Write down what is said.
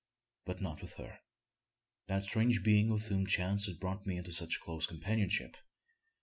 But not with her that strange being with whom chance had brought me into such close companionship.